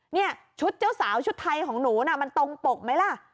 เนี่ยชุดเจ้าสาวชุดไทยของหนูน่ะมันตรงปกไหมล่ะ